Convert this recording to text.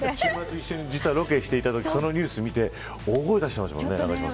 一緒にロケしていたときそのニュースを見て大声出してましたもんね。